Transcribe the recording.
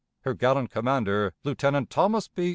Her gallant commander, Lieutenant Thomas B.